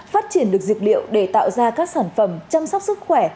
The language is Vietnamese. phát triển được dược liệu để tạo ra các sản phẩm chăm sóc sức khỏe